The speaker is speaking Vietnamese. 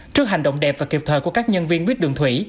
trước hành động đẹp và kịp thời của các nhân viên buýt đường thủy